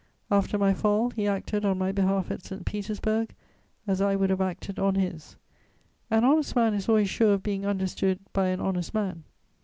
After my fall, he acted on my behalf at St. Petersburg, as I would have acted on his. An honest man is always sure of being understood by an honest man.